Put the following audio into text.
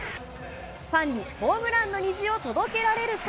ファンにホームランの虹を届けられるか。